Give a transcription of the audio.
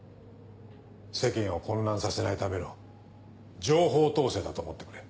世間を混乱させないための情報統制だと思ってくれ。